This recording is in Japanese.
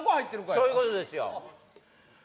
そういうことですよ・